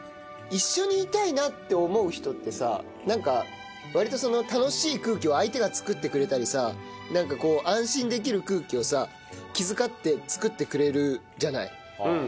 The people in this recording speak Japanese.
一緒にいたいなって思う人ってさなんか割と楽しい空気を相手が作ってくれたりさなんかこう安心できる空気をさ気遣って作ってくれるじゃない。